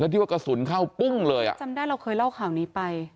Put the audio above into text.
ที่ว่ากระสุนเข้าปุ้งเลยอ่ะจำได้เราเคยเล่าข่าวนี้ไป